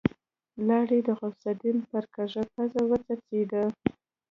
لاړې د غوث الدين پر کږه پزه وڅڅېدې.